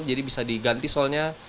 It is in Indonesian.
jadi bisa diganti solnya